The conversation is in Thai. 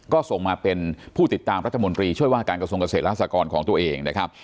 ก็ส่งมาเป็นผู้ติดตามรัฐมนตรีช่วยว่าการกระทรวงเกษตรและสากรของตัวเองนะครับ